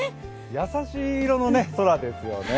優しい色の空ですよね。